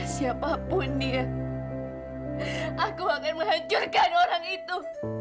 siapapun dia aku akan menghancurkan orang itu